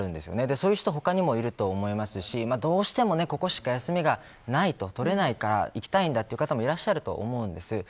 そういう人、他にもいると思いますし、どうしてもここしか休みがない取れないから行きたいという方もいらっしゃると思うんです。